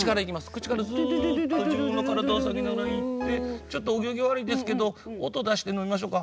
口からすっと自分の体を下げながら行ってちょっとお行儀悪いですけど音出して飲みましょうか。